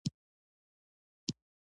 دوی داسې مواد کارول چې ژر بدلیدلی شول.